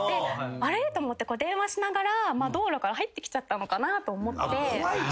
あれ？と思って電話しながら道路から入ってきちゃったのかなと思って。